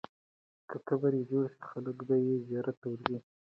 که قبر یې جوړ سي، خلک به یې زیارت ته ورځي.